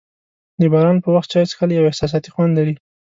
د باران په وخت چای څښل یو احساساتي خوند لري.